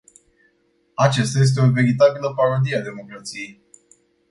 Aceasta este o veritabilă parodie a democrației.